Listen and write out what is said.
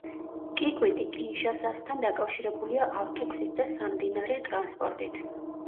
კიკვიტი კინშასასთან დაკავშირებულია ავტოგზით და სამდინარე ტრანსპორტით.